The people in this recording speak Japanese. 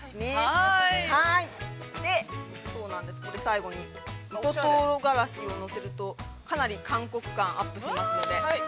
これ、最後に、糸とうがらしをのせると、かなり韓国感がアップしますので。